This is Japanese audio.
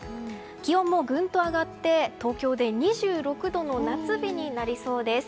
気温もぐんと上がって東京で２６度の夏日になりそうです。